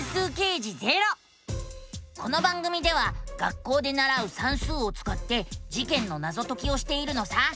この番組では学校でならう「算数」をつかって事件のナゾ解きをしているのさ。